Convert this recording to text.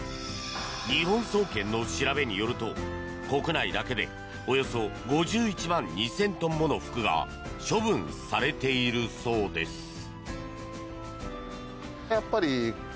日本総研の調べによると国内だけでおよそ５１万２０００トンもの服が処分されているそうです。